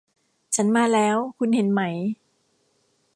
ฉันมาแล้ว คุณเห็นไหม